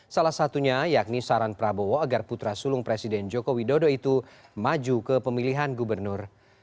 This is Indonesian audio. salah satunya yakni saran prabowo agar putra sulung presiden joko widodo itu maju ke pemilihan gubernur